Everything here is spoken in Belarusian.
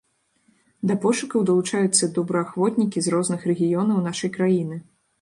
Да пошукаў далучаюцца добраахвотнікі з розных рэгіёнаў нашай краіны.